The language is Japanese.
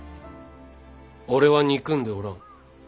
俺は憎んでおらん。